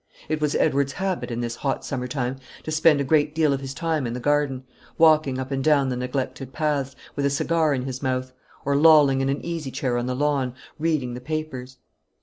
It was Edward's habit, in this hot summer time, to spend a great deal of his time in the garden; walking up and down the neglected paths, with a cigar in his mouth; or lolling in an easy chair on the lawn reading the papers.